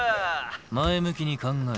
前向きに考える。